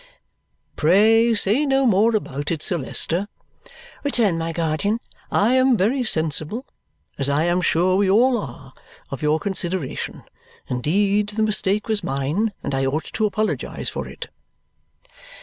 "Pray say no more about it, Sir Leicester," returned my guardian. "I am very sensible, as I am sure we all are, of your consideration. Indeed the mistake was mine, and I ought to apologize for it."